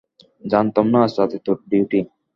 জানতাম না আজ রাতে তোর ডিউটি।